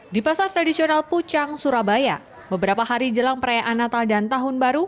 di pasar tradisional pucang surabaya beberapa hari jelang perayaan natal dan tahun baru